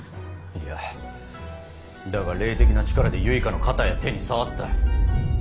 いやだが霊的な力で結花の肩や手に触った！